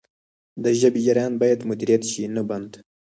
د ژبې جریان باید مدیریت شي نه بند.